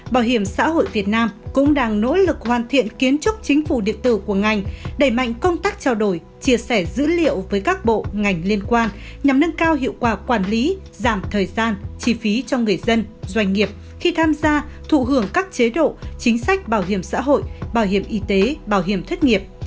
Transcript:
bảo hiểm xã hội việt nam cũng đang nỗ lực hoàn thiện kiến trúc chính phủ điện tử của ngành đẩy mạnh công tác trao đổi chia sẻ dữ liệu với các bộ ngành liên quan nhằm nâng cao hiệu quả quản lý giảm thời gian chi phí cho người dân doanh nghiệp khi tham gia thụ hưởng các chế độ chính sách bảo hiểm xã hội bảo hiểm y tế bảo hiểm thất nghiệp